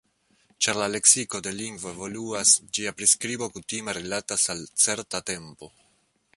Ĉar la leksiko de lingvo evoluas, ĝia priskribo kutime rilatas al certa tempo.